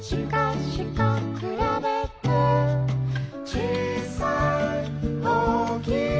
「ちいさい？おおきい？